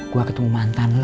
gue ketemu mantan lo